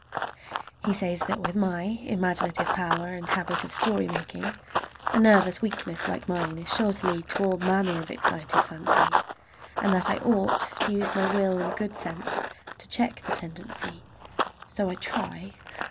He says that with my imaginative power and habit of story making a nervous weakness like mine is sure to lead to all manner of excited fancies, and that I ought to use my will and good sense to check the tendency. So I try.